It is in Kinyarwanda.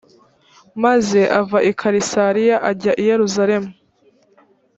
maze ava i kayisariya ajya i yerusalemu